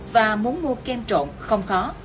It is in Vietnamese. và muốn mua kem trộm không khó